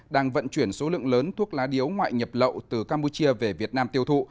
đang vận chuyển số lượng lớn thuốc lá điếu ngoại nhập lậu từ campuchia về việt nam tiêu thụ